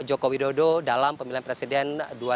jokowi dodo dalam pemilihan presiden